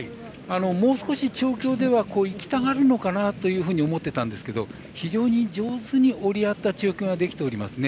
もう少し調教ではいきたがるのかなというふうに思っていたんですが非常に上手に折り合った調教ができておりますね。